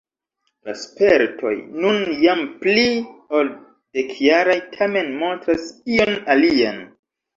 La spertoj nun jam pli ol dekjaraj tamen montras ion alian.